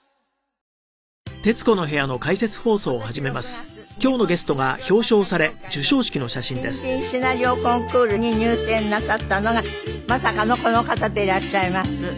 今年６月日本シナリオ作家協会の新人シナリオコンクールに入選なさったのがまさかのこの方でいらっしゃいます。